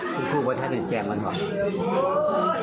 เมื่อกลับถามเก็งพระราชนี้